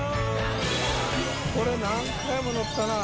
これ何回も乗ったなあ。